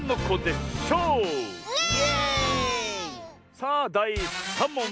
さあだい３もん！